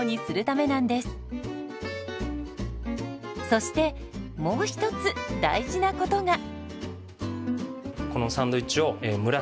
そしてもう一つ大事なことが。